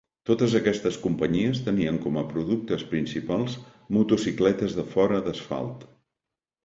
Totes aquestes companyies tenien com a productes principals motocicletes de fora d'asfalt.